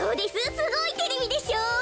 すごいテレビでしょう。